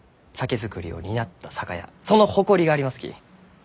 その誇りがありますき。